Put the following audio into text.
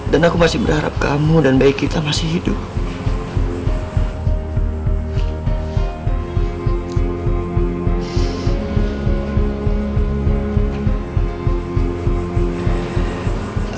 dan aku masih berharap kamu dan bayi kita masih hidup